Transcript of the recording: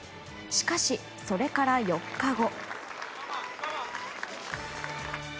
しかし、それから４日後。